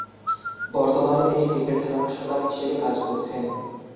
বর্তমানে তিনি ক্রিকেট ধারাভাষ্যকার হিসেবে কাজ করছেন।